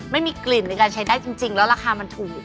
ไม่มีกลิ่นในการใช้ได้จริงแล้วราคามันถูก